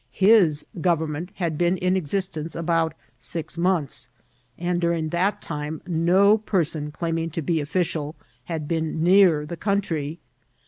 His government had been in existence about six months, and during that time no person claiming to be official had been near the country.